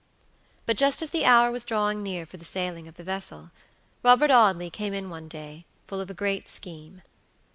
But just as the hour was drawing near for the sailing of the vessel, Robert Audley came in one day, full of a great scheme.